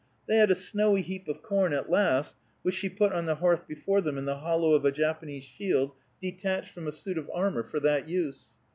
They had a snowy heap of corn at last, which she put on the hearth before them in the hollow of a Japanese shield, detached from a suit of armor, for that use.